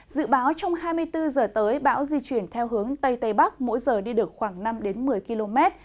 dự báo trong hai mươi bốn h tới bão di chuyển theo hướng tây tây bắc mỗi giờ đi được khoảng năm một mươi km